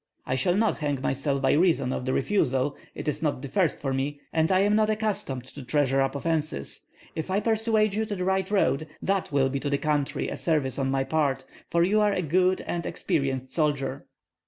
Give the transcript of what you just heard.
I shall not hang myself by reason of the refusal; it is not the first for me, and I am not accustomed to treasure up offences. If I persuade you to the right road, that will be to the country a service on my part, for you are a good and experienced soldier."